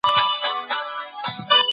څېړونکی د ټولني رښتینی روڼ اندئ دئ.